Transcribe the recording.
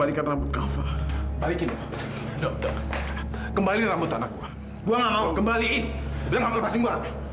tidurlah kafa anakku sayang